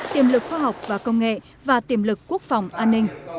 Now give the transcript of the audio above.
tiềm lực khoa học và công nghệ và tiềm lực quốc phòng an ninh